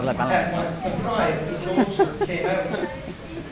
At once the pride of the soldier came out.